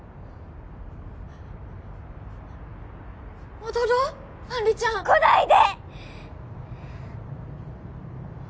戻ろう杏里ちゃん来ないで！